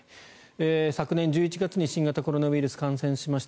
昨年１１月に新型コロナウイルス感染しました。